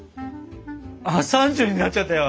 ３０になっちゃったよ。